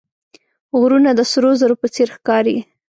غرونه د سرو زرو په څېر ښکاري